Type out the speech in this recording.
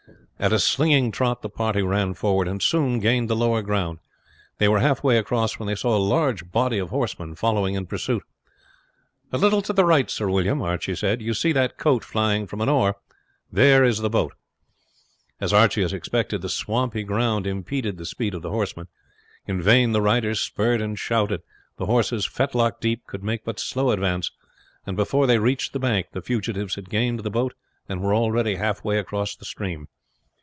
At a slinging trot the party ran forward, and soon gained the lower ground. They were halfway across when they saw a large body of horsemen following in pursuit. "A little to the right, Sir William," Archie said; "you see that coat flying from an oar; there is the boat." As Archie had expected, the swampy ground impeded the speed of the horsemen. In vain the riders spurred and shouted, the horses, fetlock deep, could make but slow advance, and before they reached the bank the fugitives had gained the boat and were already halfway across the stream.